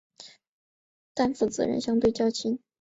负担责任相对较轻